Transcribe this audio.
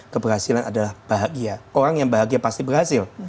keberhasilan adalah bahagia orang yang bahagia pasti berhasil